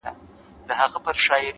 د برزخي ژوند دقيقې دې رانه کچي نه کړې’